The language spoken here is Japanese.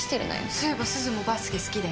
そういえばすずもバスケ好きだよね？